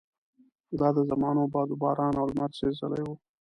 دا د زمانو باد وباران او لمر سېزلي وو.